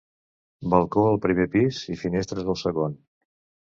Balcó al primer pis i finestres al segon.